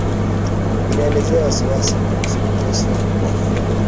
Inaelezea wasiwasi kuhusu kuteswa kwa wafungwa